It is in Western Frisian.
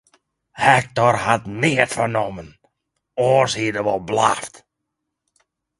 Hektor hat neat fernommen, oars hie er wol blaft.